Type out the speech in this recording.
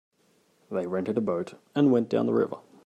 They rented a boat and went down the river.